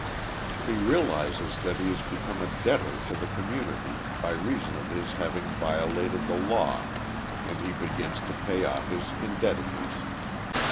He realizes that he has become a debtor to the communit}' by reason of his having violated the law, and he be gins to pay off his indebtedness.